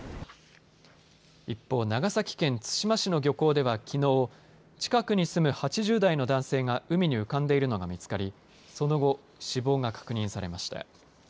一方、長崎県対馬市の漁港ではきのう近くに住む８０代の男性が海に浮かんでいるのが見つかりその後、死亡が確認されました。